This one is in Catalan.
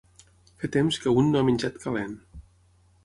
Fer temps que un no ha menjat calent.